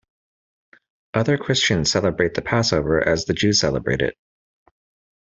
Other Christians celebrate the Passover as the Jews celebrate it.